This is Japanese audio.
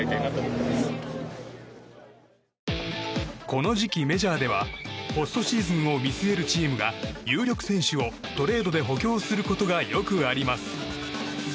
この時期メジャーではポストシーズンを見据えるチームが有力選手を、トレードで補強することがよくあります。